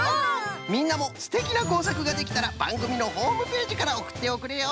みんなもすてきなこうさくができたらばんぐみのホームページからおくっておくれよ！